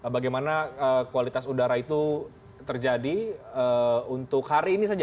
bagaimana kualitas udara itu terjadi untuk hari ini saja